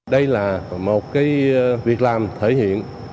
đây là một việc làm thể hiện